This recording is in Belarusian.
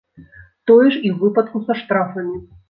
Тое ж і ў выпадку са штрафамі.